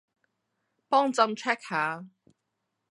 幫朕 check 吓